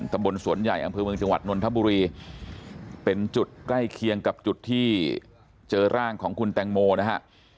ตำบลสวนใหญ่อำเภอเมืองจังหวัดนนทบุรีเป็นจุดใกล้เคียงกับจุดที่เจอร่างของคุณแตงโมนะฮะ